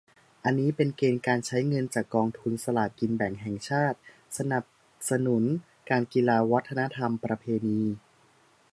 อันนี้เป็นเกณฑ์การใช้เงินจากกองทุนสลากกินแบ่งแห่งชาติ : สนับสนุนการกีฬา วัฒนธรรมประเพณี